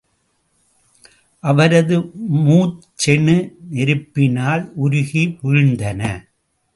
அவரது மூச்செனு நெருப்பினால் உருகி வீழ்ந்தன.